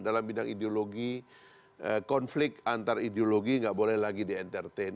dalam bidang ideologi konflik antar ideologi nggak boleh lagi di entertain